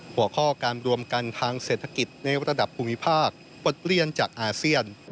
หัวข้อการรวมกันทางเศรษฐกิจในระดับภูมิภาคบทเรียนจากอาเซียน